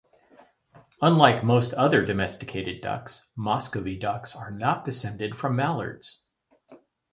Unlike most other domesticated ducks, Muscovy ducks are not descended from mallards.